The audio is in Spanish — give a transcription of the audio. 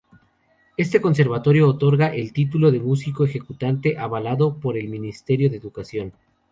Este conservatorio otorga el título de "Músico Ejecutante" avalado por el Ministerio de Educación.